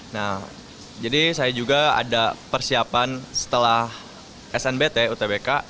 nah jadi saya juga ada persiapan setelah snbt utbk